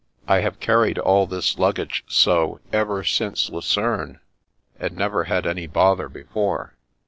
I have carried all this luggage so, ever since Lucerne, and never had any bother before."